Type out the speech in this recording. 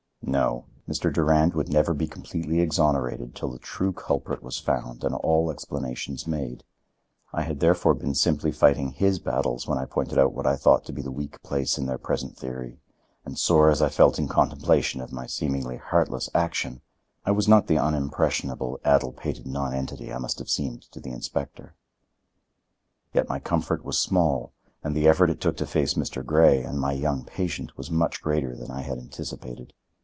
No; Mr. Durand would never be completely exonerated till the true culprit was found and all explanations made. I had therefore been simply fighting his battles when I pointed out what I thought to be the weak place in their present theory, and, sore as I felt in contemplation of my seemingly heartless action, I was not the unimpressionable, addle pated nonentity I must have seemed to the inspector. Yet my comfort was small and the effort it took to face Mr. Grey and my young patient was much greater than I had anticipated.